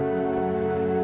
sampai jumpa dil